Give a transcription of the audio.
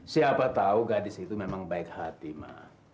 siapa tahu gadis itu memang baik hati mah